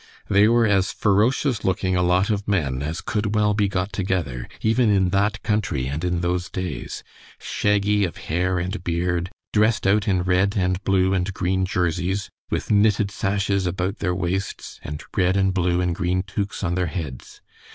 They were as ferocious looking a lot of men as could well be got together, even in that country and in those days shaggy of hair and beard, dressed out in red and blue and green jerseys, with knitted sashes about their waists, and red and blue and green tuques on their heads.